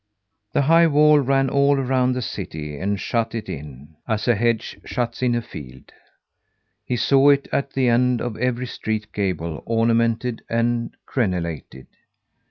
The high wall ran all around the city and shut it in, as a hedge shuts in a field. He saw it at the end of every street gable ornamented and crenelated.